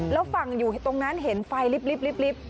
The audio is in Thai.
แล้วฝั่งอยู่ตรงนั้นเห็นไฟลิฟต์